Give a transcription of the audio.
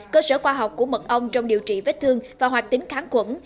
cơ sở khoa học của mật ong trong điều trị vết thương và hoạt tính kháng quẩn